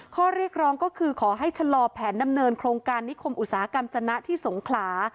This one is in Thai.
ข้อเรียกร้องก็คือขอให้ชะลอแผนดำเนินโครงการนิคมอุตสาหกรรมจนะที่สงขลา